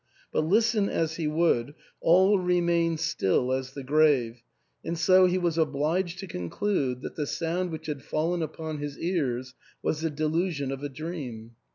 But listen as he would, all remained still as the grave, and so he was obliged to conclude that the sound which had fallen upon his ears was the delusion of a dream.